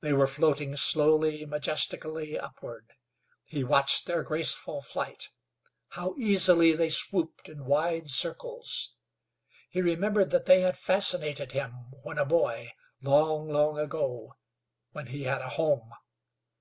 They were floating slowly, majestically upward. He watched their graceful flight. How easily they swooped in wide circles. He remembered that they had fascinated him when a boy, long, long ago, when he had a home.